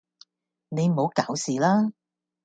你唔好搞事啦